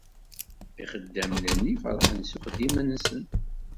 Ixaddamen-nni ferḥen s uxeddim-nsen.